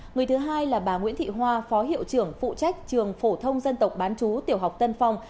người thứ hai là bà nguyễn thị hoa phó hiệu trưởng phụ trách trường phổ thông dân tộc bán chú tiểu học tân phong